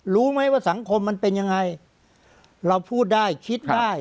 รู้ไหมว่าสังคมมันเป็นยังไงเราพูดได้คิดได้